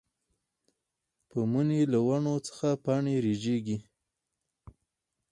پۀ مني له ونو څخه پاڼې رژيږي